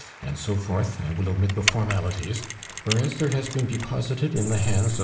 and so forth (I will omit the formalities)... 'Whereas there has been deposited in the hands of M.